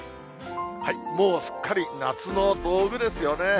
もうすっかり夏の道具ですよね。